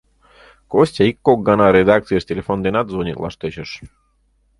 Костя ик-кок гана редакцийыш телефон денат звонитлаш тӧчыш.